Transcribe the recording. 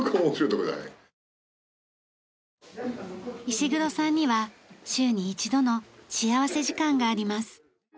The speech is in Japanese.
石黒さんには週に１度の幸福時間があります。